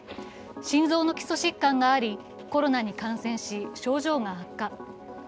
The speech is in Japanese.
心臓の基礎疾患があり、コロナに感染し、症状が悪化。